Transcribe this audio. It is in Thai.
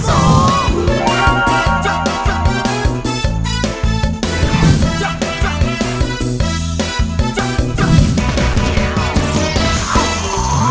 จั๊กจั๊ก